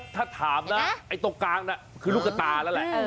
ถ้าถามนะไอ้ตรงกลางน่ะคือลูกตาแล้วแหละ